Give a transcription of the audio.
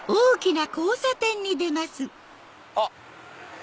あっ。